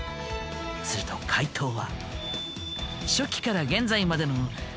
すると回答は。